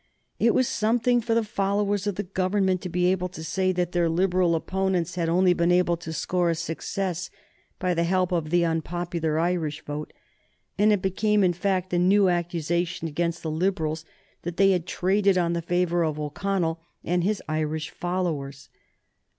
It was something for the followers of the Government to be able to say that their Liberal opponents had only been able to score a success by the help of the unpopular Irish vote, and it became, in fact, a new accusation against the Liberals that they had traded on the favor of O'Connell and his Irish followers.